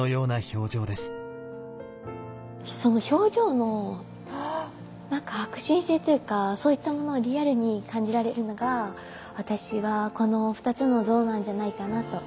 表情の何か迫真性っていうかそういったものをリアルに感じられるのが私はこの２つの像なんじゃないかなと。